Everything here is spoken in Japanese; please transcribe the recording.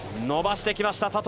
伸ばしてきました！